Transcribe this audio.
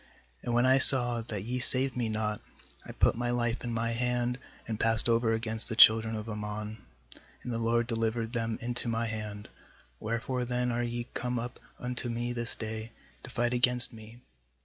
3And when I saw that ye saved me not, I put my life in my hand, and passed over against the children of Ammon, and the LORD delivered them into my hand; wherefore then are ye come up unto me this day, to fight against me?'